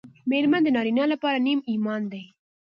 مېرمن د نارینه لپاره نیم ایمان دی